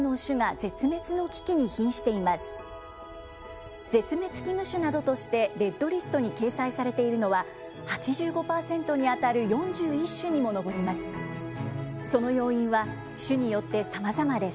絶滅危惧種などとしてレッドリストに掲載されているのは、８５％に当たる４１種にも上ります。